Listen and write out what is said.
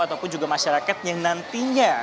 ataupun juga masyarakat yang nantinya